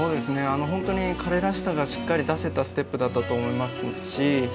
本当に彼らしさがしっかり出せたステップだったと思いますし